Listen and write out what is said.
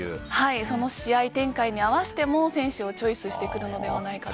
その試合展開に合わせて選手をチョイスしてくるのではないかと。